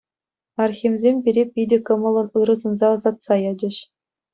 Архимсем пире питӗ кӑмӑллӑн ырӑ сунса ӑсатса ячӗҫ.